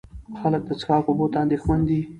خلک د څښاک اوبو ته اندېښمن دي.